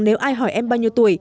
nếu ai hỏi em bao nhiêu tuổi